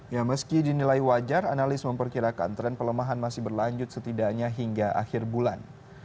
ya meski dinilai wajar analis memperkirakan tren pelemahan masih berlanjut setidaknya hingga akhir bulan